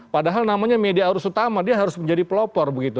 padahal namanya media arus utama dia harus menjadi pelopor begitu